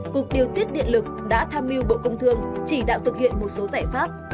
cục điều tiết điện lực đã tham mưu bộ công thương chỉ đạo thực hiện một số giải pháp